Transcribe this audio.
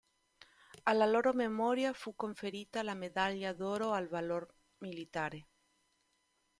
Alla loro memoria fu conferita la Medaglia d'oro al Valor Militare.